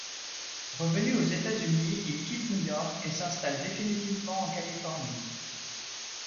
Revenu aux États-Unis, il quitte New York et s'installe définitivement en Californie.